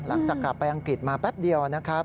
หลังจากกลับไปอังกฤษมาแป๊บเดียวนะครับ